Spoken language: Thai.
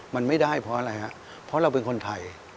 มันไม่ได้เพราะอะไรฮะเพราะเราเป็นคนไทย